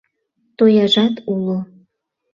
— Тояжат уло.